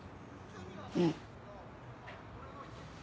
うん。